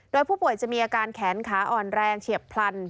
โดยผู้ป่วยจะมีอาการแขนขาอ่อนแรงเฉียบพลัน